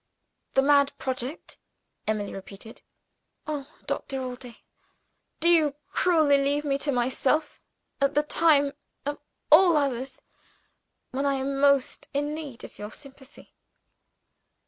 "The mad project?" Emily repeated. "Oh, Doctor Allday. Do you cruelly leave me to myself, at the time of all others, when I am most in need of your sympathy?"